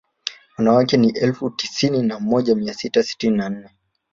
Wanawake ni elfu tisini na moja mia sita sitini na nane